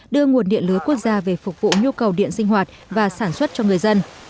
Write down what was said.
đưa nguồn điện lưới quốc gia về phục vụ nhu cầu điện sinh hoạt và sản xuất cho người dân